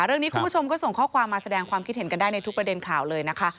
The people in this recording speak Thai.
คุณผู้ชมก็ส่งข้อความมาแสดงความคิดเห็นกันได้ในทุกประเด็นข่าวเลยนะคะ